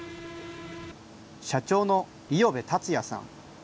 社長の五百部達也さん。